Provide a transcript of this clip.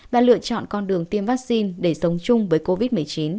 và lựa chọn con đường tiêm vaccine để sống chung với covid một mươi chín